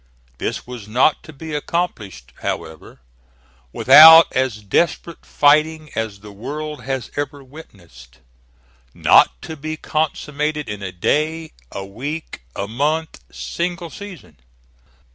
This was not to be accomplished, however, without as desperate fighting as the world has ever witnessed; not to be consummated in a day, a week, a month, single season.